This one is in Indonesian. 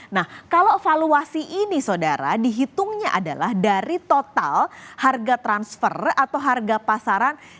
nah kalau valuasi ini saudara dihitungnya adalah dari total harga transfer atau harga pasaran seluruh anggota timnas u dua puluh tiga